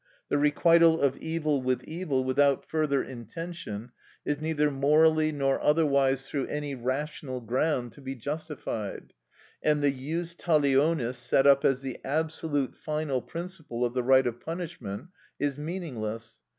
The requital of evil with evil without further intention is neither morally nor otherwise through any rational ground to be justified, and the jus talionis set up as the absolute, final principle of the right of punishment, is meaningless.